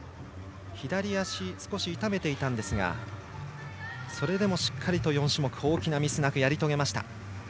左足を少し痛めていたんですがそれでもしっかりと４種目大きなミスなくやり遂げました。